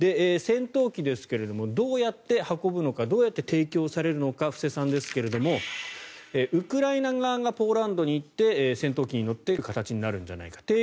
戦闘機ですがどうやって運ぶのかどうやって提供されるのか布施さんですがウクライナ側がポーランドに行って戦闘機に乗ってくる形になるんじゃないか。